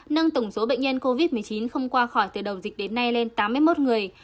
nâng tổng số bệnh nhân covid một mươi chín không qua khỏi từ đầu dịch đến nay lên tám mươi một người